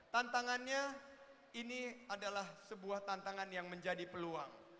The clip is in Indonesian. tantangannya ini adalah sebuah tantangan yang menjadi peluang